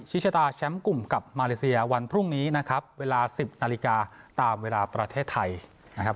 ชดาแชมป์กลุ่มกับมาเลเซียวันพรุ่งนี้นะครับเวลา๑๐นาฬิกาตามเวลาประเทศไทยนะครับ